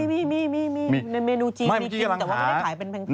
มีมีมีมีในเมนูจีนมีกินแต่เค้าได้ขายเป็นแพง